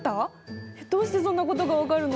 えっどうしてそんなことが分かるの？